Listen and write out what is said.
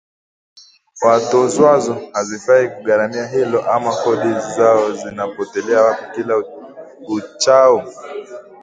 watozwazo hazifai kugharamia hilo? Ama kodi zao zinapotelea wapi? Kila uchao